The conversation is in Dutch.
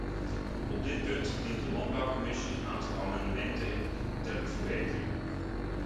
Op dit punt dient de landbouwcommissie een aantal amendementen in ter verbetering.